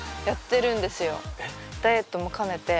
ダイエットも兼ねて。